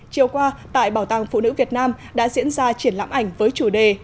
chiều qua tại bảo tàng phụ nữ việt nam đã diễn ra triển lãm ảnh với chủ đề